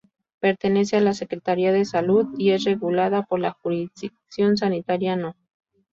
Pertenece a la Secretaría de Salud y es regulada por la Jurisdicción Sanitaria No.